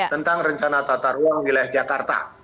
tentang rencana tata ruang wilayah jakarta